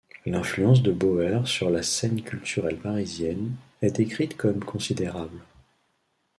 L’influence de Bauër sur la scène culturelle parisienne est décrite comme considérable.